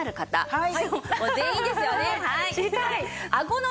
はい。